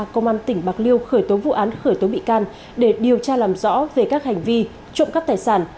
công an tỉnh bạc liêu khởi tố vụ án khởi tố bị can để điều tra làm rõ về các hành vi trộm cắp tài sản